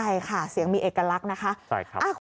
ใช่ค่ะเสียงมีเอกลักษณ์นะคะ